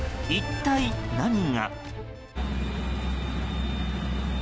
一体、何が。